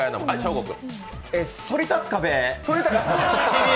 そり立つ壁。